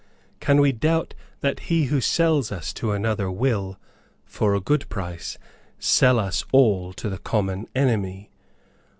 Can we doubt that he who sells us to one another will, for a good price, sell us all to the common enemy?"